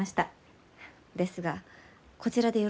ですがこちらでよろしいのですか？